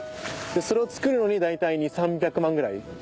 それをつくるのに大体２００３００万ぐらい。